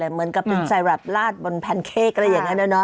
เหมือนกับเป็นไซรัพลาตบลแพนเค้กหรือยังไงเนอะ